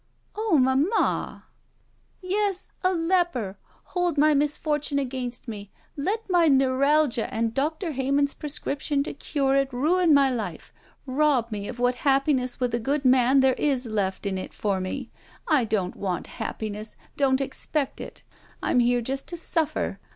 "Oh — ^mamma —!" "Yes, a lq)er. Hold my misfortune against me. Let my neuralgia and Doctor Heyman's prescrip tion to cure it ruin my life. Rob me of what happi ness with a good man there is left in it for me. I don't want happiness. Don't expect it. I'm here just to suflfer.